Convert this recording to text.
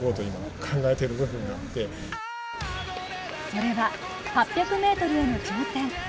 それは８００ｍへの挑戦。